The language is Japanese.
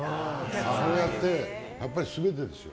母親って、やっぱり全てですよ。